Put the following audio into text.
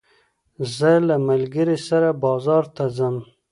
زه له ملګري سره بازار ته ځم.